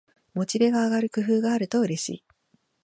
モチベが上がる工夫があるとうれしい